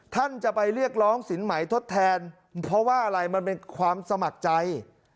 ท่านจะไปเรียกร้องสินใหม่ทดแทนเพราะว่าอะไรมันเป็นความสมัครใจ